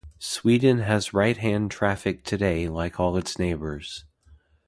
Sweden has right-hand traffic today like all its neighbours.